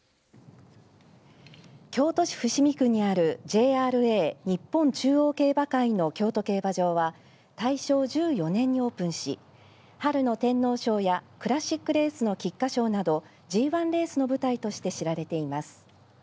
京都市伏見区にあるＪＲＡ、日本中央競馬会の京都競馬場は大正１４年にオープンし春の天皇賞やクラシックレースの菊花賞などＧ１レースの舞台として知られています。